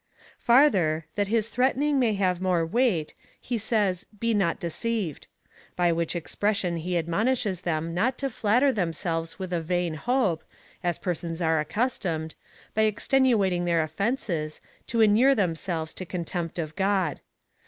Farther, that his threatening may have more weight, he says, be not deceived; by which expression he admonishes them not to flatter themselves with a vain hope, as per sons are accustomed, by extenuating their oflcnces, to inure themselves to contempt of God.